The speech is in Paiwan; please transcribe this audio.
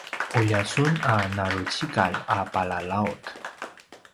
ulja sun a narucikal a palalaut